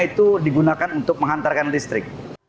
itu digunakan untuk menghantarkan listrik